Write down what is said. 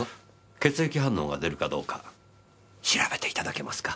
血液反応が出るかどうか調べていただけますか？